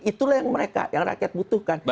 itulah yang mereka yang rakyat butuhkan